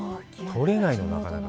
取れないの、なかなか。